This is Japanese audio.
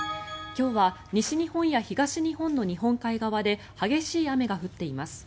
今日は西日本や東日本の日本海側で激しい雨が降っています。